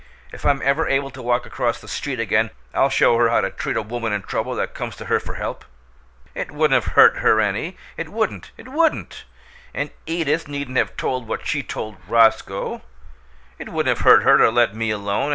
If I'm ever able to walk across the street again I'll show her how to treat a woman in trouble that comes to her for help! It wouldn't have hurt her any it wouldn't it wouldn't. And Edith needn't have told what she told Roscoe it wouldn't have hurt her to let me alone.